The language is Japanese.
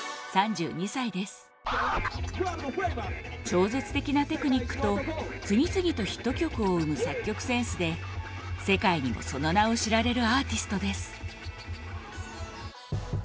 超絶的なテクニックと次々とヒット曲を生む作曲センスで世界にもその名を知られるアーティストです。